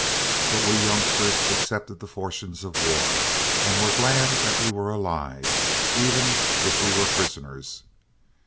But we youngsters accepted the fortunes of war and were glad that we were alive, even if we were prisoners.